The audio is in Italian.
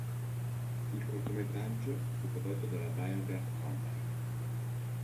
Il cortometraggio fu prodotto dalla Biograph Company.